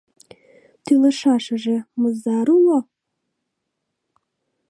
Тӱлышашыже мызар уло?